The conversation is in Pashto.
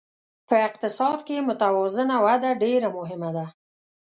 په اقتصاد کې متوازنه وده ډېره مهمه ده.